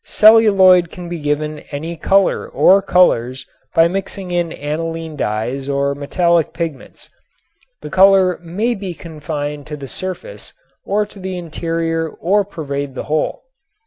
Celluloid can be given any color or colors by mixing in aniline dyes or metallic pigments. The color may be confined to the surface or to the interior or pervade the whole.